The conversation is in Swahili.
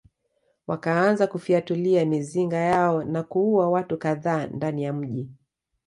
Wakaanza kufyatulia mizinga yao na kuua watu kadhaa ndani ya mji